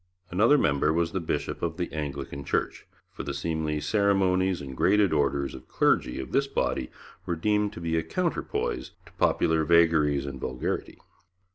Another member was the bishop of the Anglican Church, for the seemly ceremonies and graded orders of clergy of this body were deemed to be a counterpoise to popular vagaries and vulgarity.